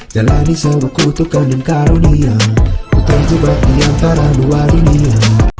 jalani sewuku tukang dan karunia ku terjebak di antara dua dunia